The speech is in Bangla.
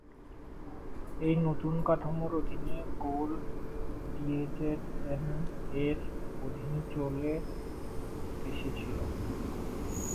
এই নতুন কাঠামোর অধীনে গোল ডিএজেডএন-এর অধীনে চলে এসেছিল।